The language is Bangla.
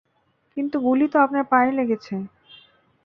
কিন্তু গুলি তো আপনার পায়ে লেগেছে।